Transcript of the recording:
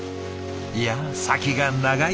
いや先が長い。